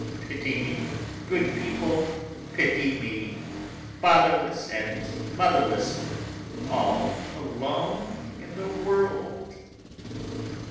Pity me, good people, pity me, fatherless and motherless, all alone in the world!"